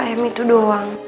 am itu doang